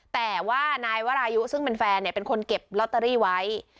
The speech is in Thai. แต่ว่านายวรายุซึ่งเป็นแฟนเป็นคนเก็บลอตเตอรี่ไว้